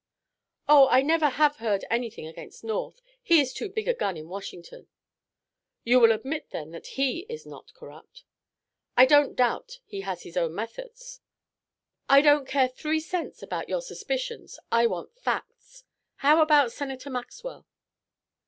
"Oh, I never have heard anything against North. He is too big a gun in Washington " "You will admit then that he is not corrupt " "I don't doubt he has his own methods " "I don't care three cents about your suppositions. I want facts. How about Senator Maxwell?"